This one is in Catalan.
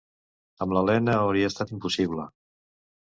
Amb l'Elena, hauria estat impossible.